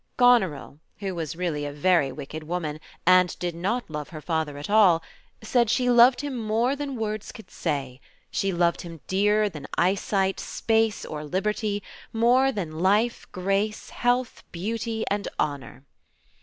Goneril, who was really a very wicked woman, and did not love her father at all, said she loved him more than words could say; she loved him dearer than eyesight, space or liberty, more than life, grace, health, beauty, and honor.